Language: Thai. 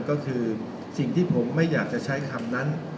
ก็คือสิ่งที่ผมไม่อยากจะใช้คำนั้น